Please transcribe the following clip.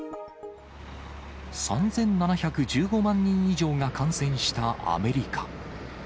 ３７１５万人以上が感染したアメリカ。